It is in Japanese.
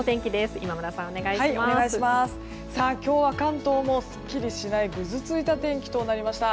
今日は関東もすっきりしないぐずついた天気となりました。